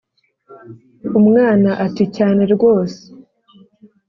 umwana ati cyane rwose.